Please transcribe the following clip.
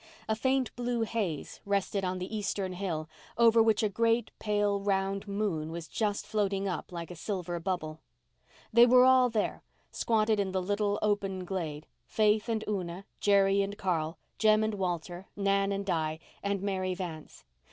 A faint blue haze rested on the eastern hill, over which a great, pale, round moon was just floating up like a silver bubble. They were all there, squatted in the little open glade—Faith and Una, Jerry and Carl, Jem and Walter, Nan and Di, and Mary Vance.